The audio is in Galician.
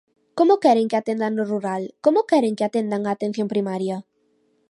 ¿Como queren que atendan no rural, como queren que atendan a atención primaria?